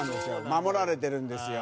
守られてるんですよ。